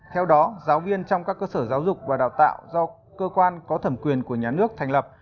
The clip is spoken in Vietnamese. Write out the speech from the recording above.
theo đó giáo viên trong các cơ sở giáo dục và đào tạo do cơ quan có thẩm quyền của nhà nước thành lập